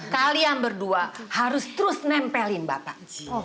kalian berdua harus terus nempelin bapak